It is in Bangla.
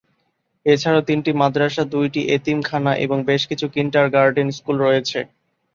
এছাড়া তিনটি মাদ্রাসা, দুইটি এতিমখানা এবং বেশকিছু কিন্ডারগার্টেন স্কুল রয়েছে।